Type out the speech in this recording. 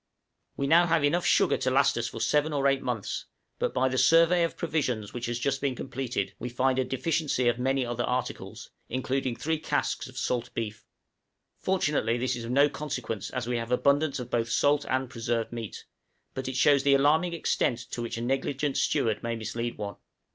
We have now enough sugar to last us for seven or eight months, but by the survey of provisions which has just been completed, we find a deficiency of many other articles, including three casks of salt beef. Fortunately this is of no consequence as we have abundance of both salt and preserved meat, but it shows the alarming extent to which a negligent steward may mislead one.